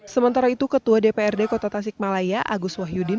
sementara itu ketua dprd kota tasik malaya agus wahyudin